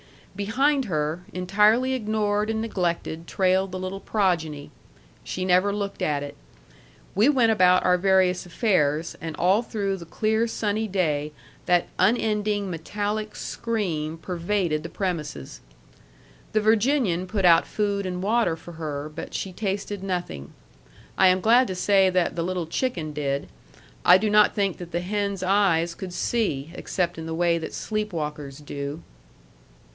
Behind her, entirely ignored and neglected, trailed the little progeny. She never looked at it. We went about our various affairs, and all through the clear, sunny day that unending metallic scream pervaded the premises. The Virginian put out food and water for her, but she tasted nothing. I am glad to say that the little chicken did. I do not think that the hen's eyes could see, except in the way that sleep walkers' do.